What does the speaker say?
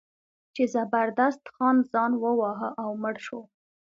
چې زبردست خان ځان وواهه او مړ شو.